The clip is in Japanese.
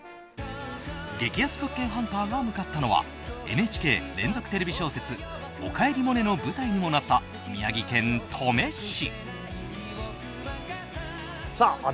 激安物件ハンターが向かったのはＮＨＫ連続テレビ小説「おかえりモネ」の舞台にもなった宮城県登米市。